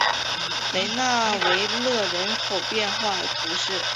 雷讷维勒人口变化图示